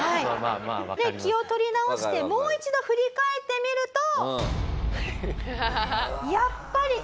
気を取り直してもう一度振り返って見ると。